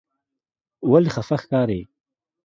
ولې خپه ښکارې؟